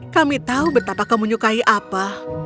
kami tahu betapa kamu nyukai apa